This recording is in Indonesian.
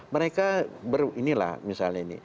mereka inilah misalnya ini